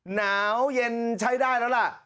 หนาวเย็นใช้ได้ละ